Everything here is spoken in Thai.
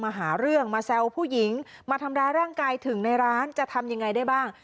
หาเรื่องมาแซวผู้หญิงมาทำร้ายร่างกายถึงในร้านจะทำยังไงได้บ้าง